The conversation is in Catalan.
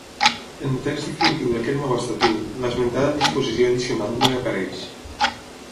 En el text definitiu d'aquest nou Estatut, l'esmentada disposició addicional no hi apareix.